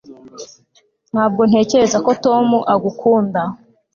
ntabwo ntekereza ko tom agukunda